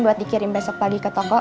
buat dikirim besok pagi ke toko